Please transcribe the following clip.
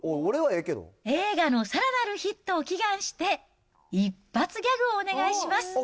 映画のさらなるヒットを祈願して、一発ギャグをお願いします。